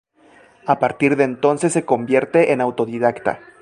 A partir de entonces se convierte en autodidacta.